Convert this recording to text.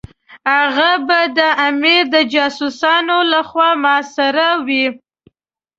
هغه به د امیر د جاسوسانو لخوا محاصره وي.